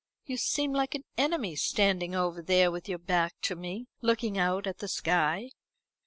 "You seem like an enemy, standing over there with your back to me, looking out at the sky."